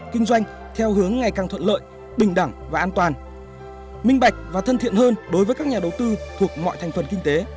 kinh doanh theo hướng ngày càng thuận lợi bình đẳng và an toàn minh bạch và thân thiện hơn đối với các nhà đầu tư thuộc mọi thành phần kinh tế